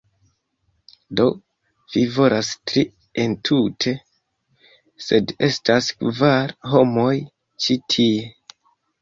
"Do, vi volas tri entute, sed estas kvar homoj ĉi tie